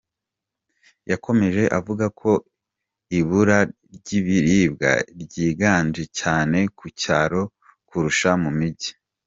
Yakomeje avuga ko ibura ry’ ibiribwa ryiganje cyane ku cyaro kurusha mu migi.